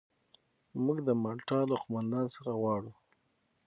موږ د مالټا له قوماندان څخه غواړو.